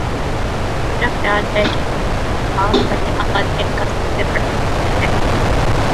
میرا خیال ہے کہ احتساب کا یہ عمل ان کا سب سے بڑا وکیل ہے۔